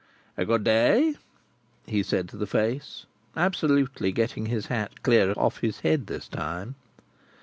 "Good day," he said to the face; absolutely getting his hat clear off his head this time.